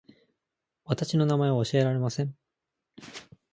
私の名前は教えられません